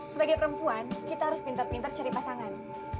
sebagai perempuan kita harus pintar pintar cari pasangan